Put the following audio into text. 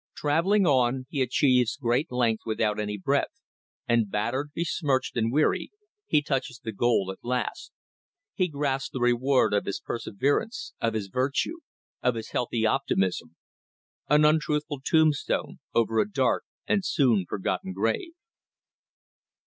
Travelling on, he achieves great length without any breadth, and battered, besmirched, and weary, he touches the goal at last; he grasps the reward of his perseverance, of his virtue, of his healthy optimism: an untruthful tombstone over a dark and soon forgotten grave.